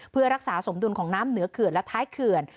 เพื่อรักษาสมดุลของน้ำเหนือเขื่อนและท้ายเขื่อน